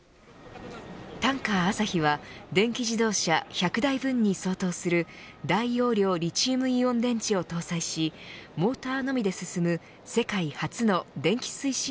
タンカーあさひは電気自動車１００台分に相当する大容量リチウムイオン電池を搭載しモーターのみで進む世界初の電気推進